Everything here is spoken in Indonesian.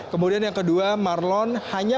kemudian yang kedua marlon hanya